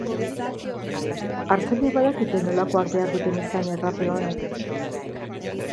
Artzainek badakite nolakoak behar duten izan errape onek.